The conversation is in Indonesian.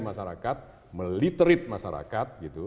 masyarakat meliterate masyarakat